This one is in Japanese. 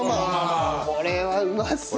これはうまそう！